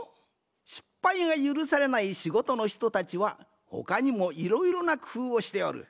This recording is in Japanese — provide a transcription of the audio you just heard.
失敗がゆるされないしごとのひとたちはほかにもいろいろなくふうをしておる。